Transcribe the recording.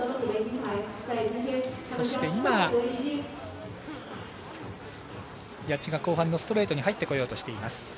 そして谷地が後半のストレートに入ってこようとしています。